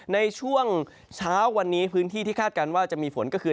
ในช่วงเช้าวันนี้พื้นที่ที่คาดการณ์ว่าจะมีฝนก็คือ